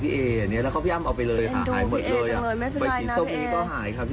ในนี้ท่านเสียหน่อยเลยนะค่ะบากสีส้มหายก็ตกไป